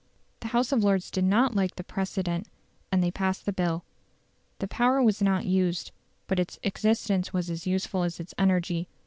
The House of Lords did not like the precedent, and they passed the bill. The power was not used, but its existence was as useful as its energy.